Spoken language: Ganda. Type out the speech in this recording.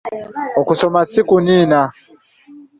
Okusoma si kuniina.